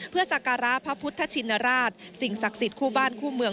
เพื่อสักการะพระพุทธชินราชสิ่งศักดิ์สิทธิ์คู่บ้านคู่เมือง